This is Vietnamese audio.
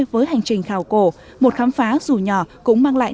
với hành trình khảo cổ một khám phá dù nhỏ cũng mang lại